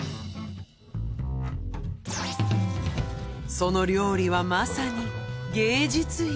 その料理はまさに芸術品